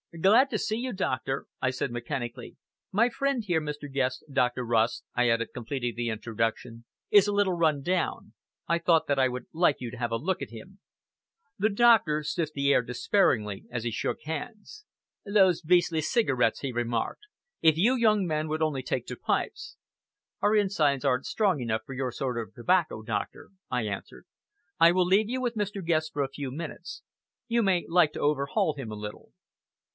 "Glad to see you, doctor," I said mechanically. "My friend here, Mr. Guest, Dr. Rust," I added, completing the introduction, "is a little run down. I thought that I would like you to have a look at him." The doctor sniffed the air disparagingly as he shook hands. "Those beastly cigarettes," he remarked. "If you young men would only take to pipes!" "Our insides aren't strong enough for your sort of tobacco, doctor," I answered. "I will leave you with Mr. Guest for a few minutes. You may like to overhaul him a little."